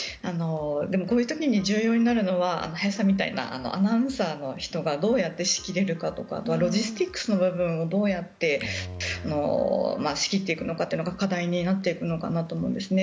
でもこういう時に重要になるのは林さんみたいなアナウンサーの人がどうやって仕切れるかとかロジスティックスの部分をどうやって仕切っていくのかというのが課題になっていくのかなと思うんですね。